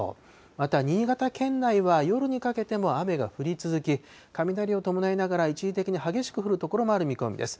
また、新潟県内は夜にかけても雨が降り続き、雷を伴いながら、一時的に激しく降る所もある見込みです。